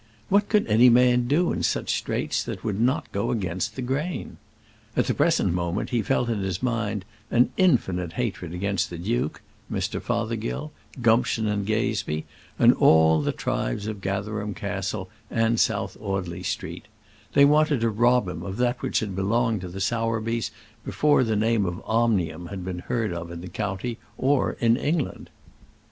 What could any man do in such straits that would not go against the grain? At the present moment he felt in his mind an infinite hatred against the duke, Mr. Fothergill, Gumption and Gagebee, and all the tribes of Gatherum Castle and South Audley Street; they wanted to rob him of that which had belonged to the Sowerbys before the name of Omnium had been heard of in the county, or in England!